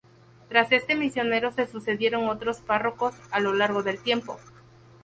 Tras este misionero se sucedieron otros párrocos a lo largo del tiempo.